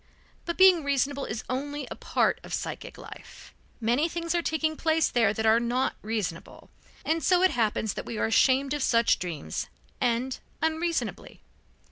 But being reasonable is only a part of psychic life. Many things are taking place there that are not reasonable, and so it happens that we are ashamed of such dreams, and unreasonably.